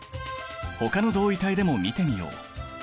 ほかの同位体でも見てみよう。